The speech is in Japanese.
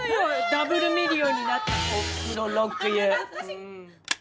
ダブルミリオンになった『おふくろロックユー』。